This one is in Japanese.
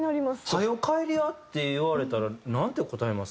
「はよ帰りや」って言われたらなんて答えます？